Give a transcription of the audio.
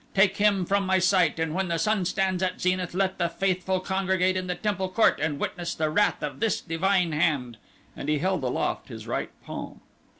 Take him from my sight, and when the sun stands at zenith let the faithful congregate in the temple court and witness the wrath of this divine hand," and he held aloft his right palm.